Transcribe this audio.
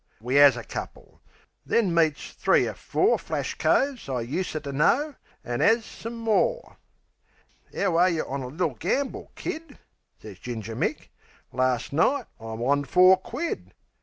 We 'as a couple; then meets three er four Flash coves I useter know, an' 'as some more. "'Ow are yeh on a little gamble, Kid?" Sez Ginger Mick. "Lars' night I'm on four quid.